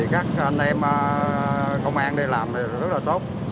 các anh em công an đi làm rất là tốt